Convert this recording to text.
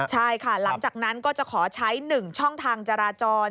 ใช่ค่ะหลังจากนั้นก็จะขอใช้๑ช่องทางจราจร